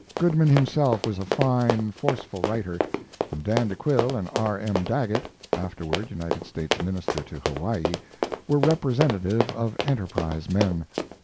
Goodman himself was a fine, forceful writer, and Dan de Quille and R. M. Daggett (afterward United States minister to Hawaii) were representative of Enterprise men.